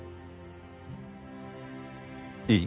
いい？